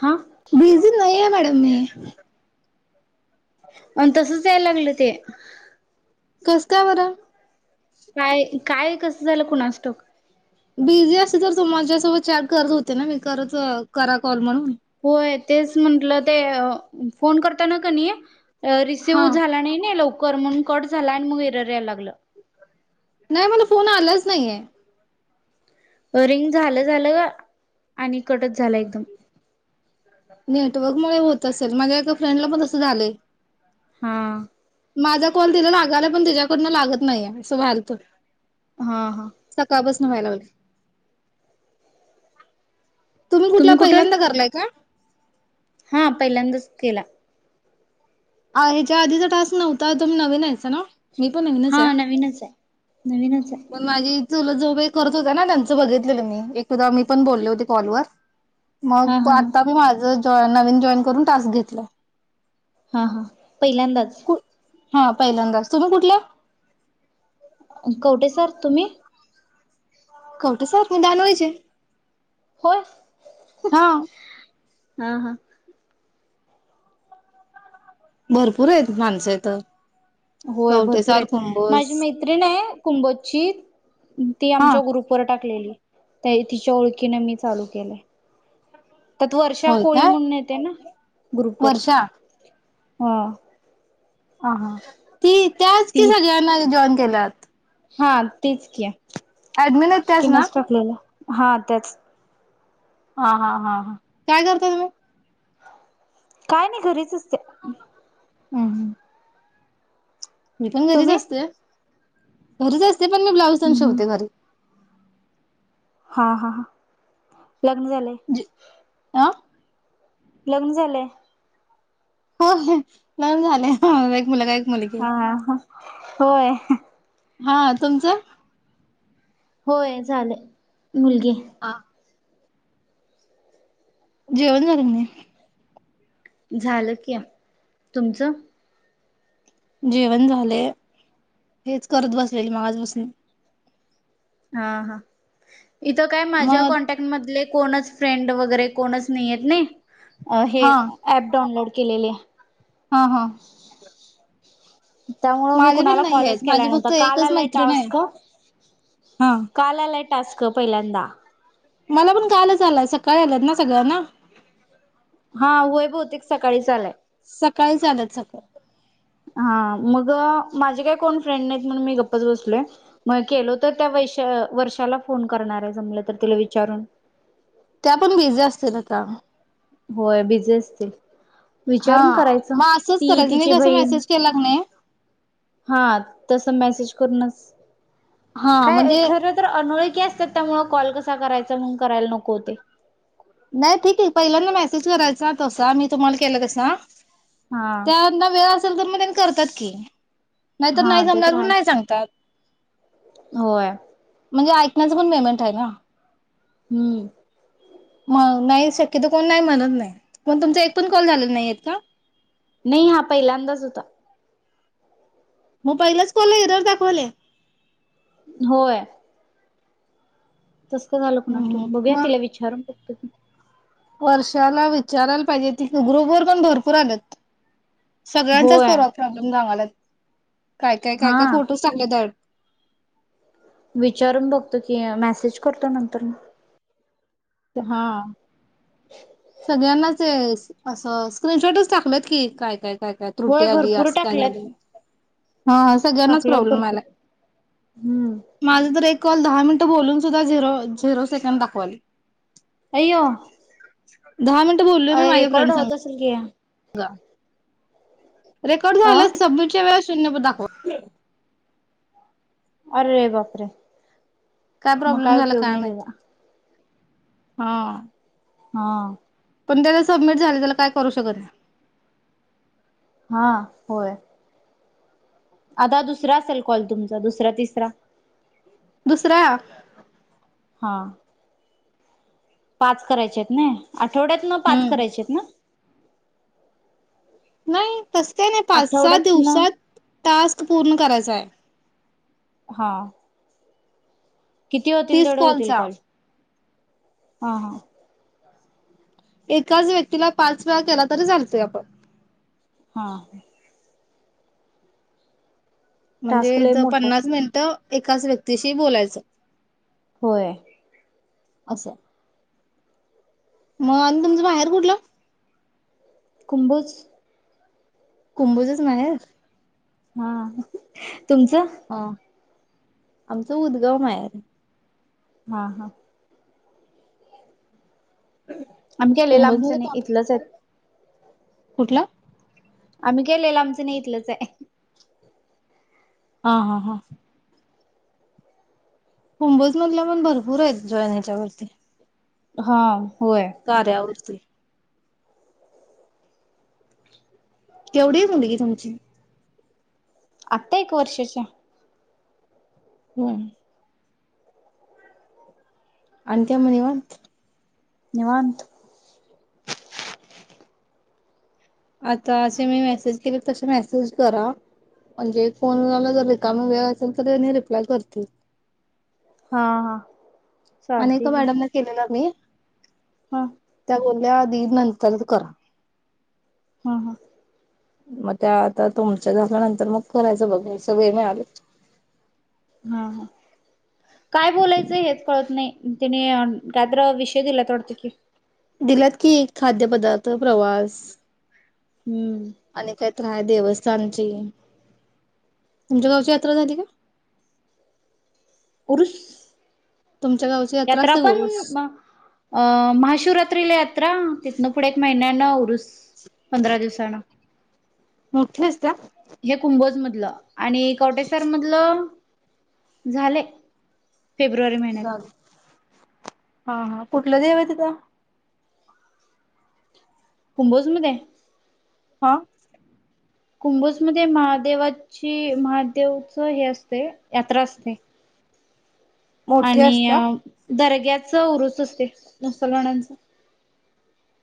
हा बिझी नाही आहे मॅडम मी. आणि तसच यायला लागलं ते. कसं काय बरं? काय? काय कसं झालं कुणास ठाऊक बिझी असते तर तु माझ्यासोबत चॅट करत होते ना मी करत करा कॉल म्हणून होय तेच म्हंटलं, ते फोन करताना कणी हा रिसिव्ह झाला नाही नाइ लव कर म्हणून कट झाला आणि मग येरर यायला लागलं. नाही मला फोन आलाच नाहीये. रिंग झालं-झालं आणि कटच झालं एकदम. नेटवर्क मुळं होत असेल माझ्या एका फ्रेंडला पण तसं झालंय. हां. माझा कॉल तिला लागालाय पण तिच्याकडनं लागत नाहीये. असं व्हायलत. हां हां. व्याय लागलंय तुम्ही कुठला पहिल्यांदा करालाय काय? हां पहिल्यांदाच केला. हा ह्याच्या आधीचा टास्क नव्हता तुम्ही नवीन हाइसा नवं? हा नवीनच हाय. नवीनच हाय. तुजा जोबाई करत होत्या ना त्यांचं बघितलेलं मी एकदा मी पण बोलले होते कॉलवर मग हा तु हा हा आत्ता बी माझं होय नवीन जॉईन करून टास्क घेतला. हां हां. पहिल्यांदाच? कु हा पहिल्यांदाच. तुम्ही कुठलं? कवठे सार. तुम्ही? कवटेसार मी दानूळीचे होय हां हां हां भरपूर आहेत माणसं इथ होय भरपूर कवटेसार आहेत कुंभोज माझी मैत्रिण आय कुंभोज ची ती हा आमच्या ग्रुप वर टाकली. ते तिच्या ओळखीने मी चालू केले. त्यात वर्षा होय कोळी काय म्हणून येतय ना ग्रुप वर... वर्षा हा हां हां अ ती त्याच की ती सगळ्यांना जॉइन... केल्यात. हा तीच की.. ऍडमीन आहेत त्याच ना? तिनच टाकलेलं हा त्याच. हा हा हा हा काय करता तुम्ही? काय नाही घरीच असते. हम् हम् मी पण घरीच तुम्ही असतेय. [unintelligible] ते पण मी ब्लाउज तेन हम्म शीवते घरी. हा हा ह लग्न झालय. जे अ लग्न झालंय. [unintelligible] लग्न झालय मला एक मुलगा एक मुलगी... हा हा होय हा तुमचं? होय झालय. मुलगी हा जेवण झालं काय नाही? झालं कि. तुमचं? जेवण झालय हेच करत बसलेलो मगाज पासून. हा हा इथं काय माझ्या मग कॉन्टॅक्ट मधले.... कोणच फ्रेंड वगैरे कोणच नाहीय आहेत नाही. हे हा ऍप डाऊनलोड... केलेले हा हा त्यामुळे मी माझे पण कुणाला नाही कॉलच आहेत केला माझी नव्हता, फक्त काल एकच आलाय मैत्रिण आहे टास्क हा काल आलाय टास्क पहिल्यांदा मला पण कालच आलाय सकाळी आल्यात ना सगळ्यांना? हा होय बहुतेक सकाळीच आलाय. सकाळीच आल्यात [unintelligible] हा मग माझे काय कोण फ्रेंड नाहीत, म्हणून मी गप्पच बसलोय मग केलो तर त्या वैश वर्षाला फोन करणार आहे जमलं तर तिला विचारून. त्या पण बिझी असतील आता. होय बिझी असतील. हा विचारून करायच मग असंच ती करायचं मी तिची कसं बहीण मेसेज केला की नाही हा तस मेसेज करूनच हा काय ए म्हणजे खरं तर अनोळखी असत्यात त्यामुळे कॉल कस कसा करायचा म्हणून करायला नको हुतय नाही ठीक आहे, पहिल्यांदा मेसेज करायचा तसा मी तुम्हाला केलं तसा हा त्यांना वेळ [unintelligible] करतात की नाहीतर हा नाही ते जमणार तर म्हणून आहे नाही सांगतात होय. म्हणजे ऐकण्याचं पण पेमेंट हाय ना. हम्म. मग नाही शक्यतो कोण नाही म्हणत नाही, पण तुमचा एक पण कॉल झालेला नाहीयेत का? नाही हा पहिल्यांदाच होता म पहिल्याच कॉलला एरर दाखवालय? होय. तस का झालं कुणास ठाऊक बघूया मग तिला विचारून [inaudible] वर्षाला विचारायला पाहिजेत ते ग्रुप वर पण भरपूर आल्यात. सगळ्यांचाच होय परवा प्रॉब्लेम गावाला काय काय काय हा काय फोटोज [unintelligible] विचारून बघतो की मेसेज करतो नंतरन हा सगळ्यांनाच असं स्क्रीनशॉटच टाकल्यात की काय काय काय काय त्रुटी होय आली भरपूर असं टाकल्यात काय [unintelligible] हा सगळ्यांनाच टाकल्यात प्रॉब्लेम भरपूर आलाय. हम्म माझ तर एक कॉल दहा मिनिटं बोलून सुद्धा झिरो झिरो सेकंड दाखवालय. अयो श [unintelligible] दहा मिनटं बोललोय मी माझ्या फ्रेंडस असेल की ह रेकॉर्ड अ झाला सबमिट वेळेस प दाखो अरे बापरे काय मग प्रॉब्लेम झाला उपयोग काय नाही माहिती त्याचा हा हा पण त्याला सबमिट झाले त्याला काय करू शकत हा होय आता दुसरा असेल कॉल तुमचा दुसरा तिसरा दुसरा हा पाच करायचे आहेत ना आठवड्यात ना पाच करायचे हम्म आहेत ना नाही तस काही नाही पाच सात आठवड्यातन दिवसात टास्क पूर्ण करायचं आहे हा किती होतील तीस तेवढे होतील कॉलचा कॉल हा हा एकाच व्यक्तीला पाच वेळा केला तरी चालतोय आपण हा ह म्हणजे टास्क लय ज मोठा आहे पन्नास मिनिटं एकाच व्यक्तीशी बोलायचं होय अससं मग आणि तुमचं बाहेर कुठलं कुंभोज कुंभोजच माहेर हा तुमचं हा आमचं उदगाव माहेर हा हा आम्ही गेलेलं कुंभोज आमचं मध्ये नाही इथलंच आहेत कुठला आम्ही केलेलं आमचं नाही इथलंच आहे हा हा हा कुंभोज मधलं मण भरपूर आहेत जॉयन ह्याच्यावरती हा होय कार्यावरती केवढी आहे मुलीगी तुमची आत्ता एक वर्षाच्या हम् आणि त्या म्हनिवर निवांत आता असे मी मेसेज केले तसे मेसेज करा म्हणजे फोनला जर रिकामी वेळ असेल तर त्यांनी रिप्लाय करतील हा हा आणि चालते एका की मॅडमला केलेला मी. हा त्या बोल्या आपल्या आधी नंतंर करा. हा हा मग त्या आता तुमच्या झाल्यानंतर मग करायचं बघायचं वेळ मिळाला तर. हा हा काय बोलायचं हेच कळत नाही. तेनी कायतरी विषय दिल्यात वाटतय की. दिल्यात कि खाद्यपदार्थ प्रवास. हम्म यात्रा आहे देवस्थानची तुमच्या गावची यात्रा झाली काय? उरूस गावची यात्रा असते पण उरूस अ महाशिवरात्रीला यात्रा तिनं पुढे एक महिन्या न उरुस. पंधरा दिवसा ना मोठे असतिया तुला आणि कवटेसर मधलं. झाले फेब्रुवारी महिन्यात. हा हा कुठलं देव आहे तिथं? कुंभोज मध्ये! हा कुंभोज मध्ये महादेवाची महादेव उत्सव हे असते यात्रा असते. मोठी आणि असत्या दर्गा उरूस असते मुसलमानांचा.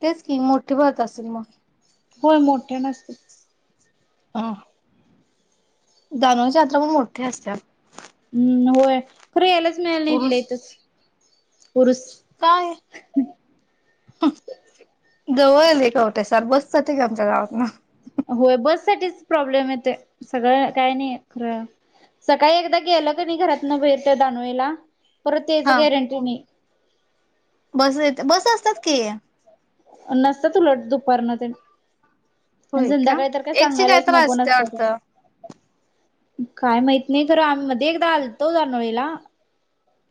तेच की मोठे भरत असेल मग? होय मोठे न अस्तिया अ दानोळी ची यात्रा मणून मोठे असतिया. हम्म होय. कुठं यायलाच मिळाला नाही इथल्या उरुस इथंच. उरूस. काय जवळ हाय लई कवटे सार, बस जाते की आमच्या गावात न. होय बस साठीच प्रॉब्लेम येत सगळं काय नाही खरं, सकाळी एकदा गेलं का नाही घरातन बाहेर दानोळीला परत यायच हा गॅरंटी नाही. बस येत बस असतात की नसतात उलट दुपारन तेन होय का एसटी काय तर नको असती नसतातच वाटतं काय माहित नाही, खर आम्ही मध्ये एकदा आलतो दानोळीला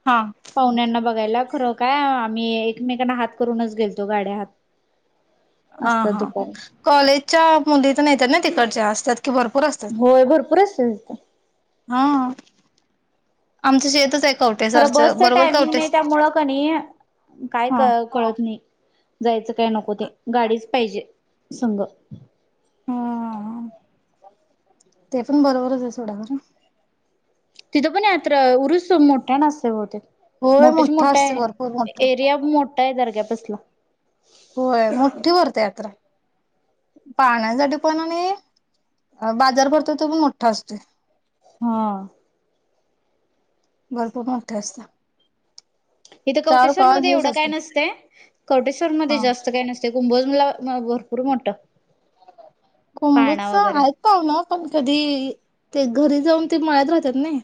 हा पाहुण्यांना बघायला. खरं काय आम्ही एकमेकांना हात करूनच गेलतो गाड्या हात हा असतात हा ह दुपारी कॉलेज च्या मुली तेन येतात ना तिकडच्या असतात. की भरपूर असतात होय भरपूर असत्यात तिथं. हा आमचं शेतच आहे खरं कवटेसरच बसच बरोबर टायमिंग नाही, कवटेस त्यामुळे कनी न काय हा कळतं नाही. जायचं काय नको ते गाडीचं पाहिजे संग. ह ते पण बरोबरच आहे सोडा खरं. तिथं पण यात्रा उरुस मोठ्याने असतोय बहुतेक होय मोठा असतोय भरपूर मोठा दर्ग्या पसला. होय मोठी भरते यात्रा पाहण्यासाठी पण आणि बाजार भरतो तो पण मोठा असतोय. हा. भरपूर मोठी असत्या. इथं कवटेसार मध्ये एवढं काय नसतय, कवटेसार मध्ये हा जास्त काय नसते कुंभो जला भरपूर भरपूर मोठं. कुंभोजच पाळणा वगैरे आहेत पावन पण कधी ते घरी जाऊन ते माळ्यात राहतात नाही.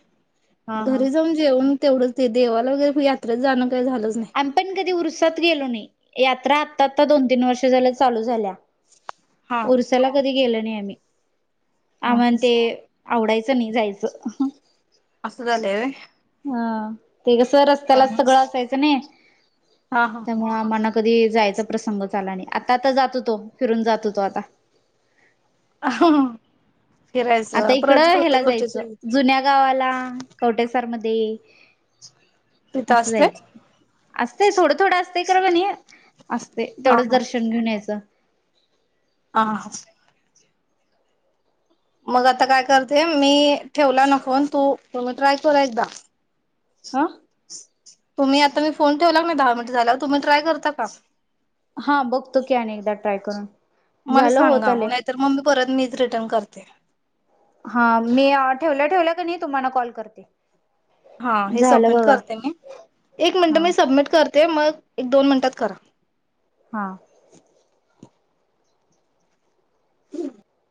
हा हा घरी जाऊन जेवून तेवढंच ते देवाला वगैरे यात्रेला जाणं काही झालंच नाही आम्ही पण कधी ऊरसात गेलो नाही यात्रा आता दोन तीन वर्ष झाल चालू झाल्या हा ऊरसाला कधी गेलं नाही आम्ही आणि हा आम्हाला ते आवडायचं नाही जायचं. असं झालंय होय. हा. ते कसं रस्त्याला सगळं असायचं नाही हा हा त्यामुळे आम्हाला कधी जायचा प्रसंग आला नाही आता आता जात होतो फिरून जात होतो आता हा आता फिरायचं परत इकडं ह्याला प्रत्येक जायचं गोष्टीची जुन्या गावाला कठ्या मध्ये तिथं असं असते जायचं असत थोडं थोडं असतंय कर कनि असते हा तेवढंच हा दर्शन घेऊन यायचं हा मग आता काय करते मी ठेवला नको तू तुम्ही ट्राय करू एकदा आा तुम्ही आता मी फोन ठेवला नाही दहा मिनट झाल्यावर तुम्ही ट्राय करता का हा बघतो की अनेकदा ट्राय करून मला झालं होत सांगा आले नाहीतर मग मी परत मीच रिटर्न करते हा मी ठेवलं ठेवलं क नाही तुम्हाला कॉल करते हा हे झालं सबमिट बघा करते मी एक मिनट हा मी सबमिट करते ते मग एक दोन मिनिटात करा हा